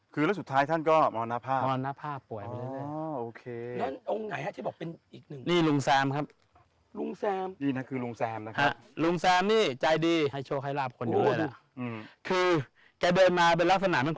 คือแล้วสุดท้ายท่านก็มรณภาพ